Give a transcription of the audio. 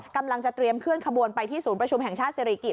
กำลังจะเตรียมเคลื่อนขบวนไปที่ศูนย์ประชุมแห่งชาติศิริกิจ